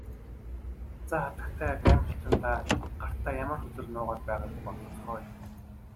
За хатагтай Гамильтон та гартаа ямар хөзөр нуугаад байгааг бодоцгооё.